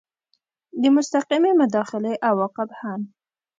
د مستقیې مداخلې عواقب هم